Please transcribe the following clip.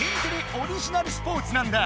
オリジナルスポーツなんだ。